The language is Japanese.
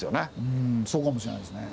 うんそうかもしれないですね。